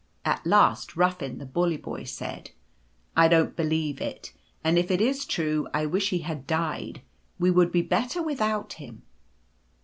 At last Ruffin the bully boy said :" I don't believe it. And if it is true I wish he had died ; we would be better without him.